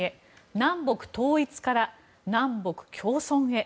南北統一から南北共存へ。